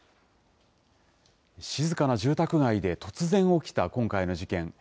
静かな住宅街で突然起きた今回の事件。